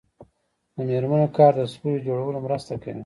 د میرمنو کار د سولې جوړولو مرسته کوي.